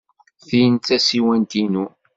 Tin d tasiwant-inu.